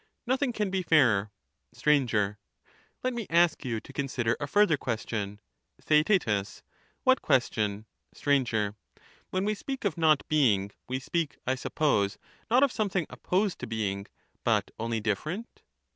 Nothing can be fairer. Str. Let me ask you to consider a further question. Theaet. What question ? Str. When we speak of not being, we speak, I suppose, not of something opposed to being, but only different.